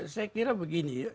saya kira begini